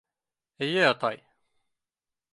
— Эйе, атай.